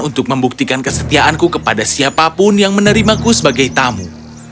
untuk membuktikan kesetiaanku kepada siapapun yang menerimaku sebagai tamu